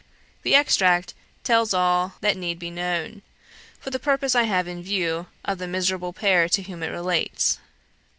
The extract tells all that need be known, for the purpose I have in view, of the miserable pair to whom it relates.